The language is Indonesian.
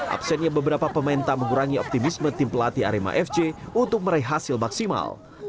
absennya beberapa pemain tak mengurangi optimisme tim pelatih arema fc untuk meraih hasil maksimal